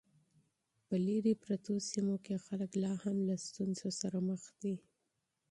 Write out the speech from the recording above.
په لیرې پرتو سیمو کې خلک لا هم له ستونزو سره مخ دي.